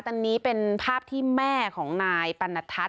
ตอนนี้เป็นภาพที่แม่ของนายปรณทัศน